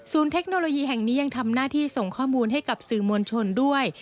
เทคโนโลยีแห่งนี้ยังทำหน้าที่ส่งข้อมูลให้กับสื่อมวลชนด้วย